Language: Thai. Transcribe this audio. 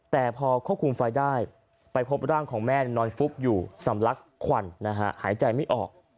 แต่พอควบคุมไฟได้ไปพบร่างของแม่นอนฟุบอยู่สำลักควันนะฮะหายใจไม่ออก